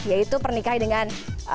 yaitu pernikah dengan